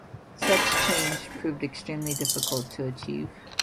Such change proved extremely difficult to achieve.